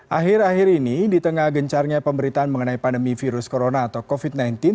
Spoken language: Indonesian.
akhir akhir ini di tengah gencarnya pemberitaan mengenai pandemi virus corona atau covid sembilan belas